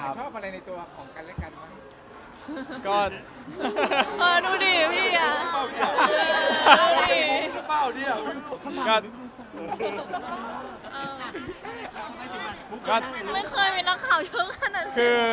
ไม่เคยมีนักข่าวเยอะขนาดนั้น